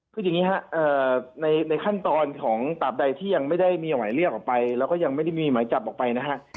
คืออย่างนี้ครับในขั้นตอนของตราบใดที่ยังไม่ได้มีหมายเรียกออกไปแล้วก็ยังไม่ได้มีหมายจับออกไปนะฮะ